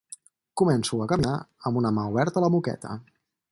Començo a caminar amb una mà oberta a la moqueta.